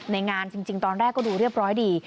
งานจริงตอนแรกก็ดูเรียบร้อยดี